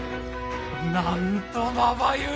なんとまばゆい！